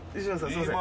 すいません。